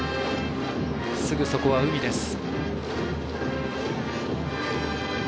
すぐそこは海です。